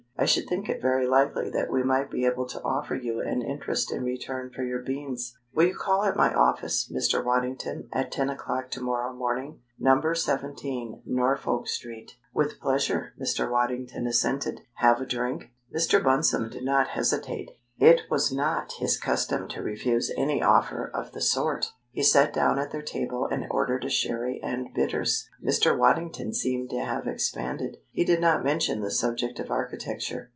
I should think it very likely that we might be able to offer you an interest in return for your beans. Will you call at my office, Mr. Waddington, at ten o'clock to morrow morning number 17, Norfolk Street?" "With pleasure," Mr. Waddington assented. "Have a drink?" Mr. Bunsome did not hesitate it was not his custom to refuse any offer of the sort! He sat down at their table and ordered a sherry and bitters. Mr. Waddington seemed to have expanded. He did not mention the subject of architecture.